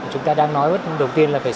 chúng ta đang nói đầu tiên là phải